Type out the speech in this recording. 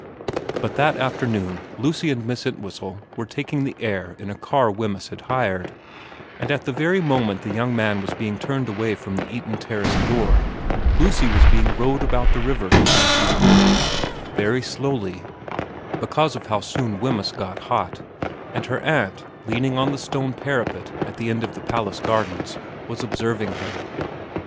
But that afternoon Lucy and Miss Entwhistle were taking the air in a car Wemyss had hired, and at the very moment the young man was being turned away from the Eaton Terrace door Lucy was being rowed about the river at Hampton Court very slowly, because of how soon Wemyss got hot and her aunt, leaning on the stone 77 78 VERA viii parapet at the end of the Palace gardens, was observing her.